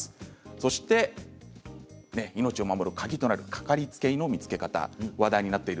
そして命を守る鍵となるかかりつけ医の見つけ方話題になっている